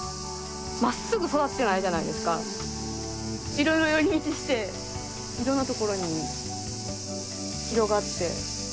いろいろ寄り道していろんなところに広がって。